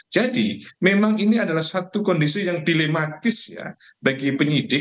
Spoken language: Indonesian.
jadi memang ini adalah satu kondisi yang dilematis ya bagi penyidik